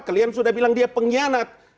kalian sudah bilang dia pengkhianat